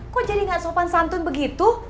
kok jadi gak sopan santun begitu